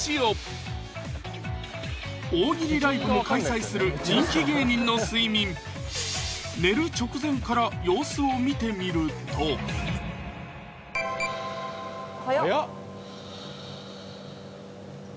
大喜利ライブも開催する人気芸人の睡眠寝る直前から様子を見てみると早っ！